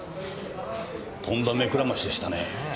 とんだ目くらましでしたね。